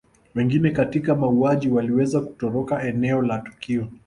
Wengine katika mauaji waliweza kutoroka eneo la tukio